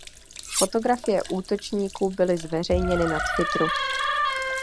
Fotografie útočníků byly zveřejněny na Twitteru.